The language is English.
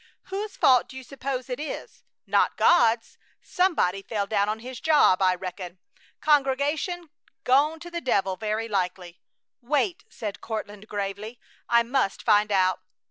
"Whose fault do you s'pose it is? Not God's. Somebody fell down on his job, I reckon! Congregation gone to the devil, very likely!" "Wait!" said Courtland, gravely. "I must find out."